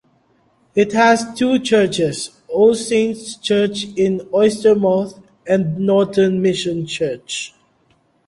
It has two churches: All Saints Church in Oystermouth and Norton Mission Church.